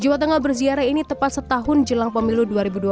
jawa tengah berziarah ini tepat setahun jelang pemilu dua ribu dua puluh